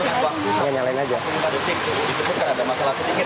disebut karena ada masalah sedikit